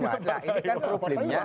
nah ini kan problemnya